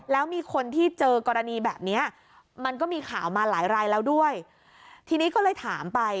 แล้วมีคนที่เจอกรณีแบบเนี้ยมันก็มีข่าวมาหลายรายแล้วด้วยทีนี้ก็เลยถามไป